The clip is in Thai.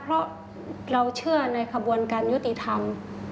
เพราะเราเชื่อในขบวนการยุติธรรม